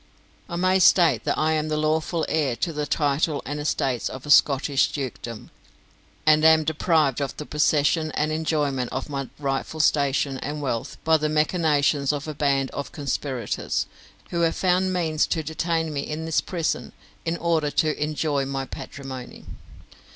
I may state that I am the lawful heir to the title and estates of a Scottish dukedom, and am deprived of the possession and enjoyment of my rightful station and wealth by the machinations of a band of conspirators, who have found means to detain me in this prison in order to enjoy my patrimony.